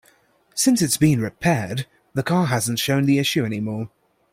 Since it's been repaired, the car hasn't shown the issue any more.